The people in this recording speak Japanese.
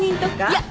いや。